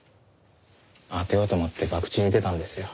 当てようと思って博打に出たんですよ。